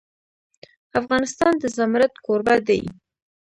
افغانستان د زمرد کوربه دی.